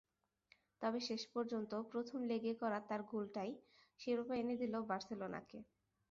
তবে শেষ পর্যন্ত প্রথম লেগে করা তাঁর গোলটাই শিরোপা এনে দিল বার্সেলোনাকে।